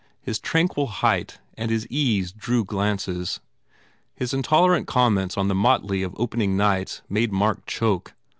His tranquil height and his ease drew glances. His intolerant comments on the motley of opening nights made Mark choke.